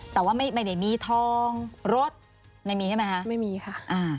แต่ว่าไม่ได้มีทองรถไม่มีใช่ไหมคะไม่มีค่ะ